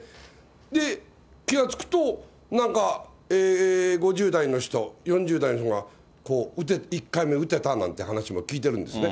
で、気が付くとなんか、５０代の人、４０代の人が１回目を打てたなんて話も聞いてるんですね。